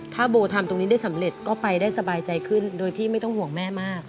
ถ้าโบทำตรงนี้ได้สำเร็จก็ไปได้สบายใจขึ้นโดยที่ไม่ต้องห่วงแม่มาก